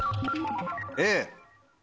Ａ。